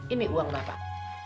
ini uang bapak